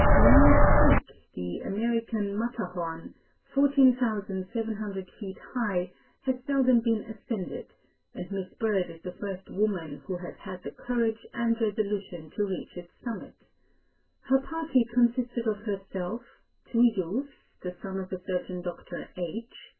" Long's Peak, the "American Matterhorn," 14,700 feet high, has seldom been ascended, and Miss Bird is the first woman who has had the courage and resolution to reach its summit. Her party consisted of herself, two youths, the sons of a certain Dr. H.